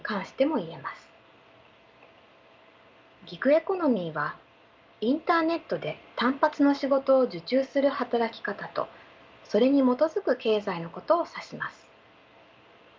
ギグエコノミーはインターネットで単発の仕事を受注する働き方とそれに基づく経済のことを指します。